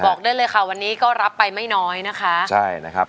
ได้เลยค่ะวันนี้ก็รับไปไม่น้อยนะคะใช่นะครับ